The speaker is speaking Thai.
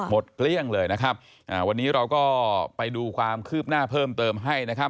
หมดเพรงเลยวันนี้เราก็ไปดูความคืบหน้าเพิ่มเติมให้